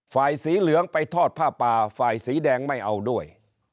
ฝ่ายสีเหลืองไปทอดผ้าป่าฝ่ายสีแดงไม่เอาด้วย